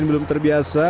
saya pun terbiasa